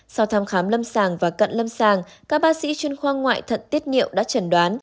sau thăm khám lâm sàng và cận lâm sàng các bác sĩ chuyên khoa ngoại thận tiết niệu đã trần đoán